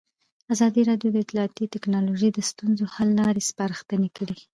ازادي راډیو د اطلاعاتی تکنالوژي د ستونزو حل لارې سپارښتنې کړي.